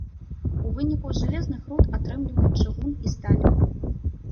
У выніку з жалезных руд атрымліваюць чыгун і сталь.